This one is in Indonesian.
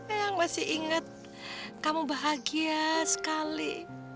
eyang masih inget kamu bahagia sekali